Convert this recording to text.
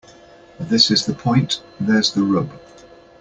This is the point. There's the rub.